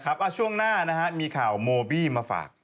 โอเคนะครับช่วงหน้ามีข่าวโมบี้มาฝาก